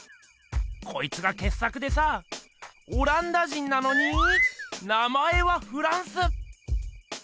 こいつがけっ作でさオランダ人なのに名前はフランス！